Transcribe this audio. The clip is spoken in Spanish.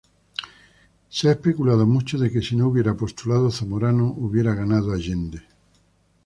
Se ha especulado mucho de que si no hubiera postulado Zamorano, hubiera ganado Allende.